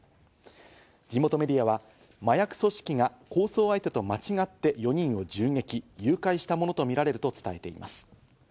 地元メディアは麻薬組織が抗争相手と間違って４人を銃撃、誘拐したものとみられると伝えています。